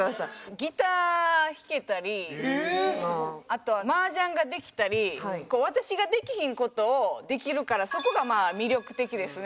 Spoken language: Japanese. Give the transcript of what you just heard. ギター弾けたりあとマージャンができたり私ができひん事をできるからそこが魅力的ですね。